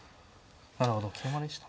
なるほど桂馬でした？